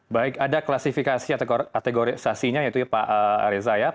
baik ada klasifikasi atau kategorisasinya yaitu pak reza ya